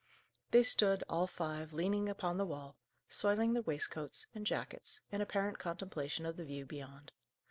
They stood, all five, leaning upon the wall, soiling their waistcoats and jackets, in apparent contemplation of the view beyond.